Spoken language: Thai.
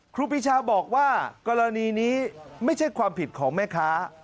ครูปีชาบอกว่ากรณีนี้ไม่ใช่ความผิดของแม่ค้า